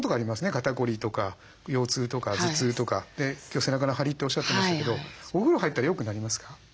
肩凝りとか腰痛とか頭痛とかって今日背中の張りっておっしゃってましたけどお風呂入ったらよくなりますか？